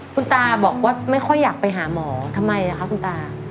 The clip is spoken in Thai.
คุณตาบอกว่าไม่ค่อยอยากไปหาหมอทำไมล่ะคะคุณตา